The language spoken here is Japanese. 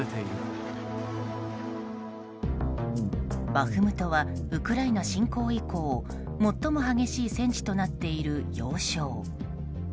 バフムトはウクライナ侵攻以降最も激しい戦地となっている要衝。